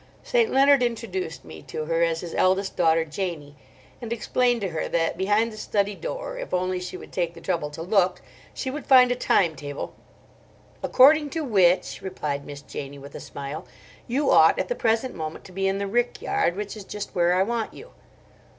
St. Leonard introduced me to her as his eldest daughter, Janie, and explained to her that behind the study door, if only she would take the trouble to look, she would find a time table— "According to which," replied Miss Janie, with a smile, "you ought at the present moment to be in the rick yard, which is just where I want you."